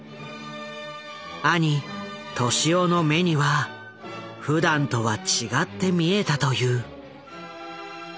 兄俊夫の目にはふだんとは違って見えたという。